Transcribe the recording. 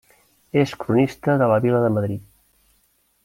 És cronista de la vila de Madrid.